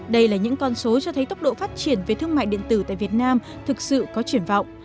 đây là những con số cho thấy tốc độ phát triển về thương mại điện tử tại việt nam thực sự có triển vọng